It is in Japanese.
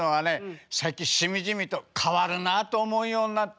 最近しみじみと変わるなと思うようになった。